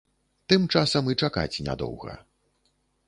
Тым часам і чакаць не доўга.